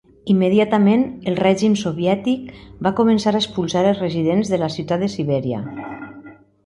Immediatament, el règim soviètic va començar a expulsar els residents de la ciutat a Sibèria.